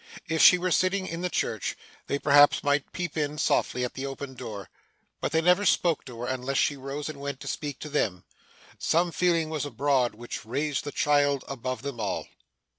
If she were sitting in the church, they perhaps might peep in softly at the open door; but they never spoke to her, unless she rose and went to speak to them. Some feeling was abroad which raised the child above them all.